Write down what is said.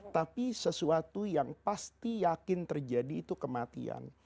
tapi sesuatu yang pasti yakin terjadi itu kematian